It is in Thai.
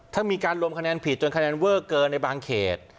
ถ้ามีการรวมคะแนนผิดจนคะแนนเวอร์เกินในบางเขต